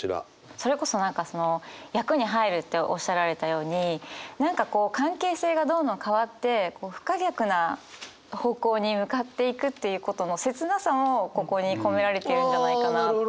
それこそ何かその役に入るっておっしゃられたように何かこう関係性がどんどん変わって不可逆な方向に向かっていくということの切なさもここに込められているんじゃないかなっていう。